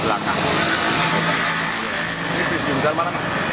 ketika disuruh turun itu sudah ada asap di belakang